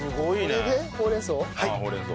これでほうれん草？